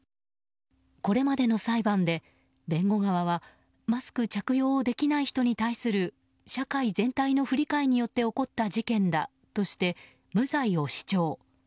これまでの裁判で弁護側はマスク着用をできない人に対する社会全体の不理解によって起こった事件だとして無罪を主張。